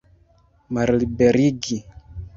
Malliberigi!